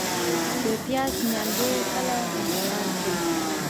د پیاز نیالګي کله انتقال کړم؟